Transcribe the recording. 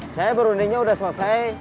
saya berundingnya udah selesai